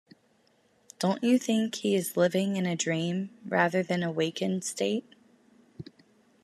Don't you think he is living in a dream rather than a wakened state?